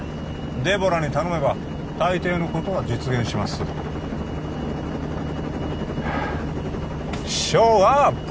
デボラに頼めば大抵のことは実現しますはあっショーアップ！